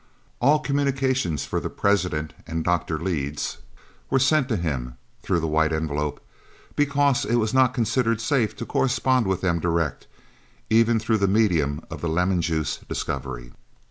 All communications for the President and Dr. Leyds were sent to him (through the White Envelope), because it was not considered safe to correspond with them direct, even through the medium of the lemon juice discovery.